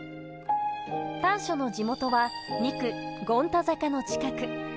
丹所の地元は２区、権太坂の近く。